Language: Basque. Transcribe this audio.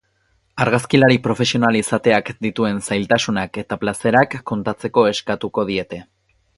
Argazkilari profesional izateak dituen zailtasunak eta plazerak kontatzeko eskatuko diete.